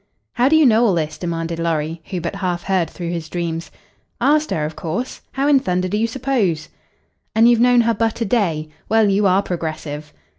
"How do you know all this?" demanded Lorry, who but half heard through his dreams. "Asked her, of course. How in thunder do you suppose?" "And you've known her but a day? Well, you are progressive."